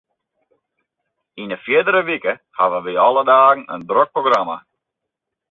Yn 'e fierdere wike hawwe wy alle dagen in drok programma.